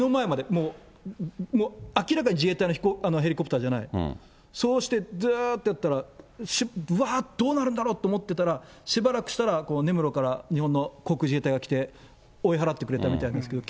もう、明らかに自衛隊のヘリコプターじゃない、そうして、ずっとやったら、うわぁ、どうなるんだろうって思ったら、しばらくしたら、根室から日本の航空自衛隊が来て、追い払ってくれたみたいなんですけど。